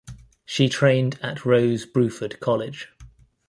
She trained at Rose Bruford College.